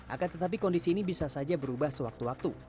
akan tetapi kondisi ini bisa saja berubah sewaktu waktu